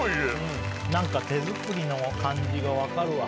なんか手作りの感じが分かるわ。